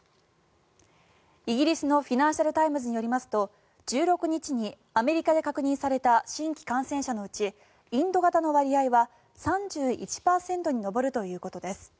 イギリスのフィナンシャル・タイムズによりますと１６日にアメリカで確認された新規感染者のうちインド型の割合は３１％に上るということです。